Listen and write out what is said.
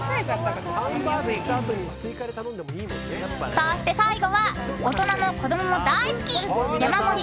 そして最後は大人も子供も大好き山盛り！！